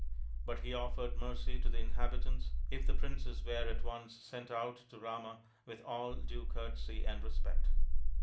But he offered mercy to the inhabitants if he princess were at once sent out to Rama with all lue courtesy and respect.